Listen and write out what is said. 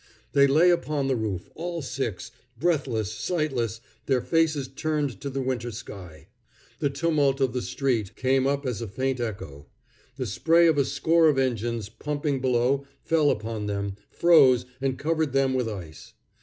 They lay upon the roof, all six, breathless, sightless, their faces turned to the winter sky. The tumult of the street came up as a faint echo; the spray of a score of engines pumping below fell upon them, froze, and covered them with ice.